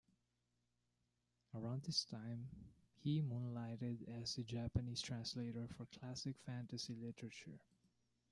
Around this time, he moonlighted as a Japanese translator for classic fantasy literature.